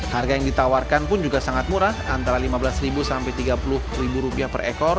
harga yang ditawarkan pun juga sangat murah antara lima belas sampai rp tiga puluh per ekor